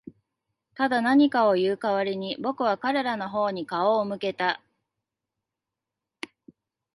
ただ、何かを言う代わりに、僕は彼らの方に顔を向けた。